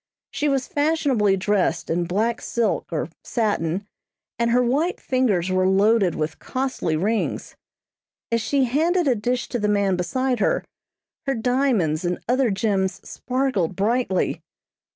She was fashionably dressed in black silk or satin, and her white fingers were loaded with costly rings. As she handed a dish to the man beside her, her diamonds and other gems sparkled brightly.